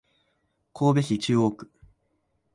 神戸市中央区